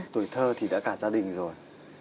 tuổi thơ thì đã cả gia đình rồi